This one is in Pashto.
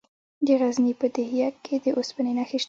د غزني په ده یک کې د اوسپنې نښې شته.